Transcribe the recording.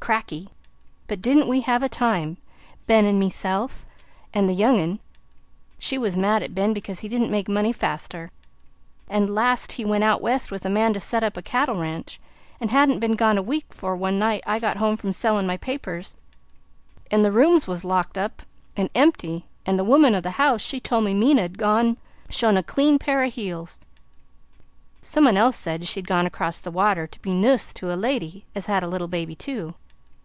Crackey! but didn't we have a time Ben 'n' mehself 'n' the young un. She was mad at Ben because he didn't make money faster; 'n' at last he went out West with a man to set up a cattle ranch. An' hadn't been gone a week 'fore one night, I got home from sellin' my papers, 'n' the rooms wus locked up 'n' empty, 'n' the woman o' the house, she told me Minna 'd gone shown a clean pair o' heels. Some un else said she'd gone across the water to be nuss to a lady as had a little baby, too.